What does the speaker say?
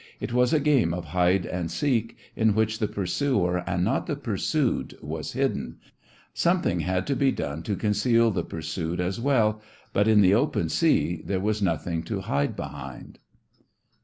It was a game of hide and seek in which the pursuer and not the pursued was hidden. Something had to be done to conceal the pursued as well, but in the open sea there was nothing to hide behind.